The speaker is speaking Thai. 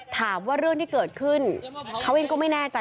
ถามว่าเรื่องที่เกิดขึ้นเขาเองก็ไม่แน่ใจ